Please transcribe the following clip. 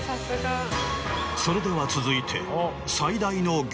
それでは続いて。